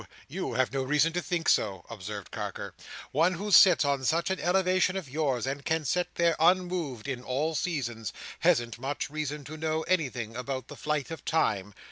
You have no reason to think so," observed Carker. "One who sits on such an elevation as yours, and can sit there, unmoved, in all seasons—hasn't much reason to know anything about the flight of time.